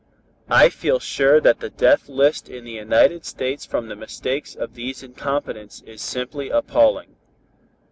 "I feel sure that the death list in the United States from the mistakes of these incompetents is simply appalling.